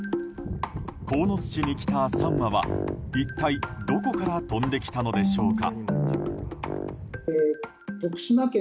鴻巣市に来た３羽は一体どこから飛んできたのでしょうか。